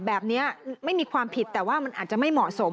แบบนี้ไม่มีความผิดแต่ว่ามันอาจจะไม่เหมาะสม